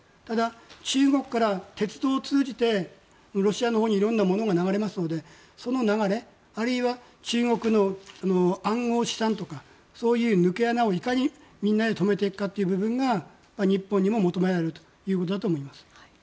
ただ、中国から鉄道を通じてロシアにいろんなものが流れますのでその流れ、あるいは中国の暗号資産とかそういう抜け穴をいかにみんなで止めていくかという部分が日本にも求められるということだと思います。